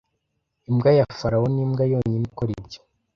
Imbwa ya farawo nimbwa yonyine ikora ibyo